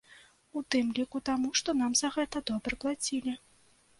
У тым ліку таму, што нам за гэта добра плацілі.